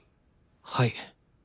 はい。